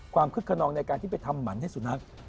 ความขึ้นคณองในการที่ไปทำหวัญให้สุนัข